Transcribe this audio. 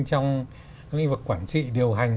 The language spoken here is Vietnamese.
trong lĩnh vực quản trị điều hành